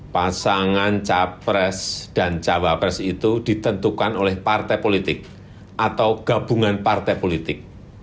pasangan capres dan cawapres itu ditentukan oleh partai politik atau gabungan partai politik